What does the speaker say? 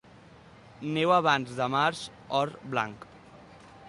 Neu abans de març, or blanc.